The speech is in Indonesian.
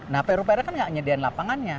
nah peru pera kan nggak menyediakan lapangannya